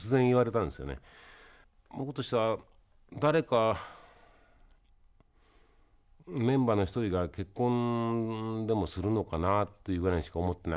僕としては誰かメンバーの一人が結婚でもするのかなっていうぐらいにしか思ってなかったですけどね。